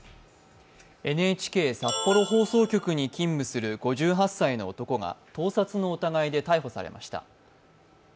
ＮＨＫ札幌放送局に勤務する５８歳の男が盗撮の疑いで逮捕されました。